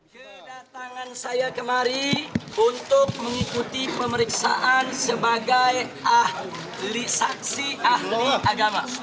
kedatangan saya kemari untuk mengikuti pemeriksaan sebagai ahli saksi ahli agama